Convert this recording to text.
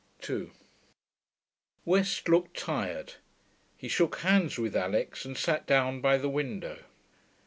2 West looked tired. He shook hands with Alix and sat down by the window.